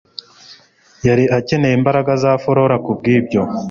yari akeneye imbaraga za flora kubwibyo